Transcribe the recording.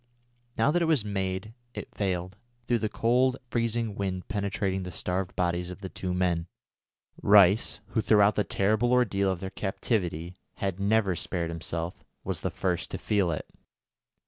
Now that it was made it failed, through the cold freezing wind penetrating the starved bodies of the two men. Rice, who throughout the terrible ordeal of their captivity had never spared himself, was the first to feel it.